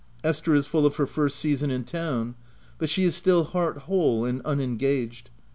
Esther is full of her first season in town ; but she is still heart whole and unengaged.